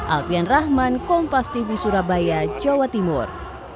alfian rahman kompas tv surabaya jawa timur